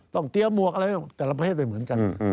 ตรงเตียกมวกอะไรแต่ละเผ่นเป็นเหมือนกัน